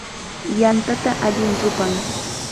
Yantata allim rupan.